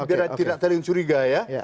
biar tidak saling curiga ya